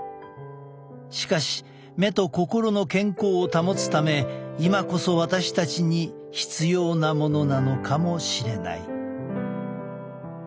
しかし目と心の健康を保つため今こそ私たちに必要なものなのかもしれない。